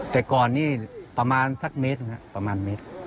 แต่ก่อนนี่ประมาณสักเมตรนะครับประมาณเมตร